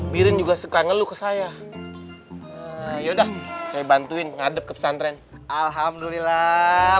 birin juga suka ngeluh ke saya yaudah saya bantuin ngadep ke pesantren alhamdulillah